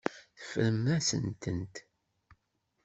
Teffremt-asent-tent.